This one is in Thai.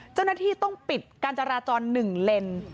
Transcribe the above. เจ้าหน้าที่ต้องปิดการจราจร๑เลน